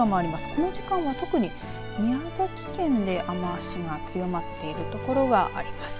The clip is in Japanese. この時間は特に宮崎県で雨足が強まっているところがあります。